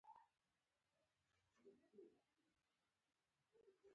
روبوټونه د روغتیا په برخه کې مرسته کوي.